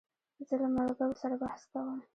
زه له ملګرو سره بحث کوم.